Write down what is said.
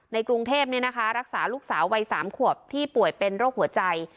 ในกรุงเทพรักษาลูกสาววัย๓ขวบที่ป่วยเป็นโรคหัวใจ